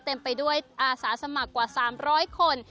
เต็มไปด้วยอาสาสมัครกว่า๓๐๐คน